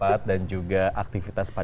bahwa saya ingin mengingatkan kepada anda